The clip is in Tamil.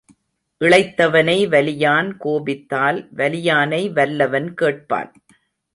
இளைத்தவனை வலியான் கோபித்தால் வலியானை வல்லவன் கேட்பான்.